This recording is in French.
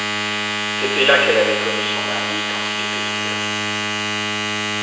C'était là qu'elle avait connu son mari, quand il était au service.